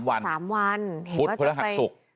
พุทธพระหักศุกร์